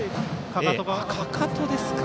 かかとですか。